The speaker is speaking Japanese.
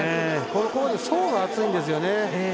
ここは層が厚いんですよね。